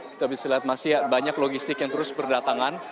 kita bisa lihat masih banyak logistik yang terus berdatangan